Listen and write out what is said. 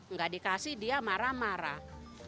nggak dikasih dia marah marah